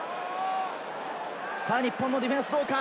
日本のディフェンスはどうか。